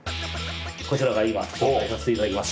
こちらが今紹介させていただきます